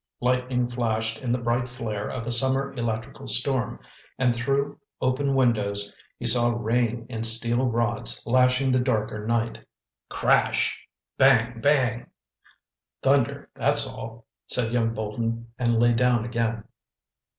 Lightning flashed in the bright flare of a summer electrical storm, and through open windows he saw rain in steel rods lashing the darker night. Crash! Bang! Bang! "Thunder, that's all," said young Bolton and lay down again.